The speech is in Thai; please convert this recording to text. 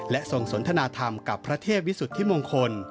และทรงสนทนาธรรมกับพระเทพวิสุทธิมงคล